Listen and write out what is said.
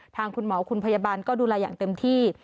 ทางคุณหมอคุณพยาบาลก็ดูแลอย่างเต็มที่